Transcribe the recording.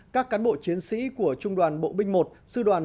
các cán bộ chiến sĩ của trung đoàn nguyễn văn dân